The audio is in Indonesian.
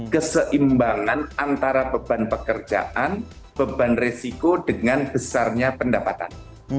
keseimbangan antara beban pekerjaan beban resiko dengan besarnya pendapatan